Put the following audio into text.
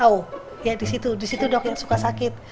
au ya disitu disitu dok yang suka sakit